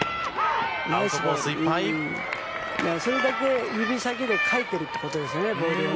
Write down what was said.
それだけ指先でひっかけてるということですね。